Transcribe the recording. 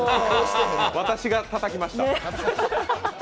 私がたたきました。